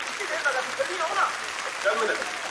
راسه د زړه د سکون غيږي ته مي ځان وسپاره.